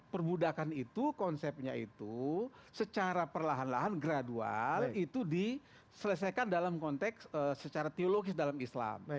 perbudakan itu konsepnya itu secara perlahan lahan gradual itu diselesaikan dalam konteks secara teologis dalam islam